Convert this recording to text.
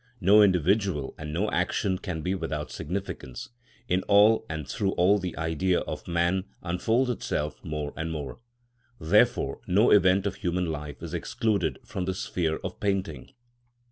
No individual and no action can be without significance; in all and through all the Idea of man unfolds itself more and more. Therefore no event of human life is excluded from the sphere of painting.